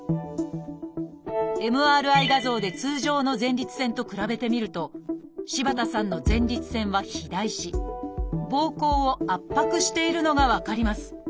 ＭＲＩ画像で通常の前立腺と比べてみると柴田さんの前立腺は肥大しぼうこうを圧迫しているのが分かります。